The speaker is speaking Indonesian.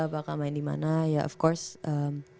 bakal main di mana ya of course